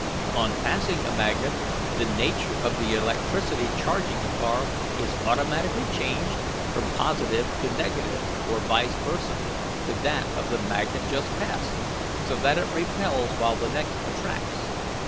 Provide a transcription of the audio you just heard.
On passing a magnet, the nature of the electricity charging a car is automatically changed from positive to negative, or vice versa, to that of the magnet just passed, so that it repels while the next attracts.